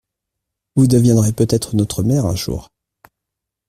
Vous deviendrez peut-être notre maire un jour !